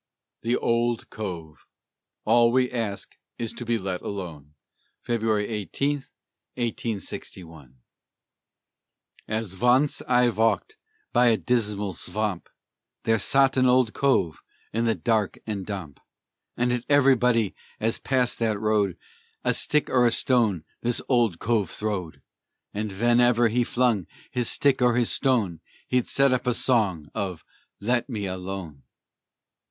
THE OLD COVE "All we ask is to be let alone." [February 18, 1861] As vonce I valked by a dismal svamp, There sot an Old Cove in the dark and damp, And at everybody as passed that road A stick or a stone this Old Cove throwed. And venever he flung his stick or his stone, He'd set up a song of "Let me alone."